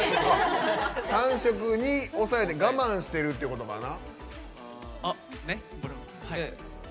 ３食に抑えて我慢してるってことかな。